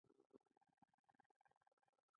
د سبزیجاتو کښت د صحي ژوند لپاره مهم دی.